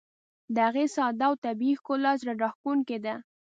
د هغې ساده او طبیعي ښکلا زړه راښکونکې ده.